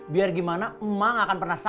biar gimana emak gak akan pernah sengaja